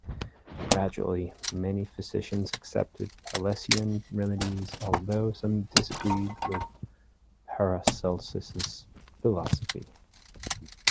Gradually, many physicians accepted Paracelsian remedies although some disagreed with Paracelsus's philosophy.